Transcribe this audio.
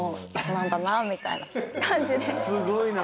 すごいな。